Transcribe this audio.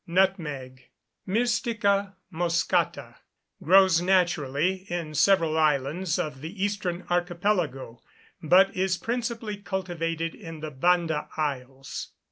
Nutmeg (Myrstica moschata) grows naturally in several islands of the eastern archipelago, but is principally cultivated in the Banda Isles.